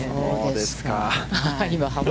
そうですか。